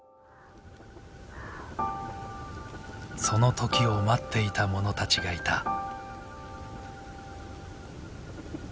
その時を待っていたものたちがいた。